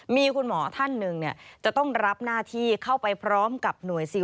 มีคุณหมอท่านหนึ่งจะต้องรับหน้าที่เข้าไปพร้อมกับหน่วยซิล